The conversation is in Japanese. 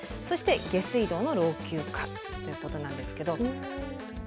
そして「下水道の老朽化」ということなんですけど。